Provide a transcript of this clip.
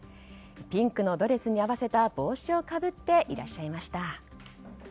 ピンクのドレスに合わせた帽子をかぶっていらっしゃいました。